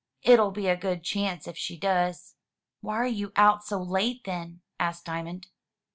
"It'll be a good chance if she does." "Why are you out so late, then?" asked Diamond.